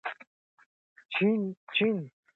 جین د کرکټرونو فکرونو او احساساتو ته ننوتله.